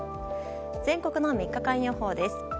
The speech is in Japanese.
全国の３日間予報です。